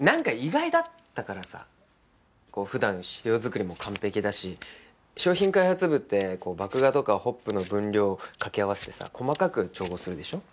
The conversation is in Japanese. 普段資料作りも完璧だし商品開発部って麦芽とかホップの分量掛け合わせてさ細かく調合するでしょ。